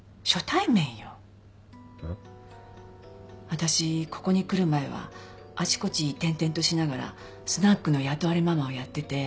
私ここに来る前はあちこち転々としながらスナックの雇われママをやってて。